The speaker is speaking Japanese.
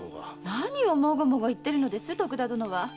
何をモゴモゴ言ってるのです徳田殿は。